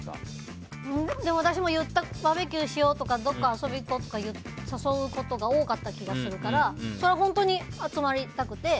私もバーベキューしようとかどこか遊びに行こうとか誘うことが多かった気がするからそれは本当に集まりたくて。